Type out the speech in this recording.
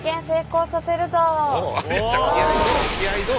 気合いどう？